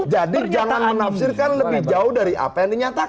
jadi jangan menafsirkan lebih jauh dari apa yang dinyatakan